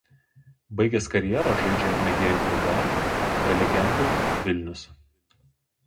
Baigęs karjerą žaidžia mėgėjų klube Prelegentai Vilnius.